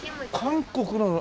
韓国なの。